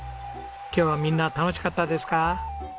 今日はみんな楽しかったですか？